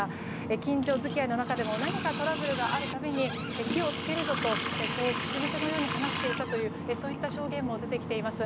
近所付き合いの中でも何かトラブルがある度に火を付けるぞとこう口癖のように話していたという証言も出てきています。